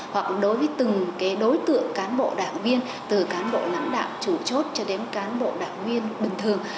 hoặc đối với từng đối tượng cán bộ đảng viên từ cán bộ lãnh đạo chủ chốt cho đến cán bộ đảng viên bình thường